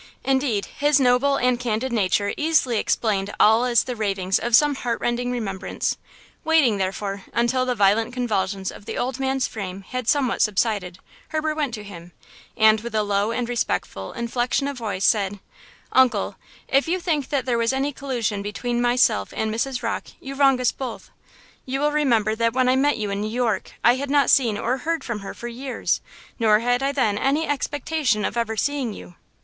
Indeed, his noble and candid nature easily explained all as the ravings of some heartrending remembrance. Waiting, therefore, until the violent convulsions of the old man's frame had somewhat subsided, Herbert went to him, and with a low and respectful inflection of voice, said: "Uncle, if you think that there was any collusion between myself and Mrs. Rocke you wrong us both. You will remember that when I met you in New York I had not seen or heard from her for years, nor had I then any expectation of ever seeing you.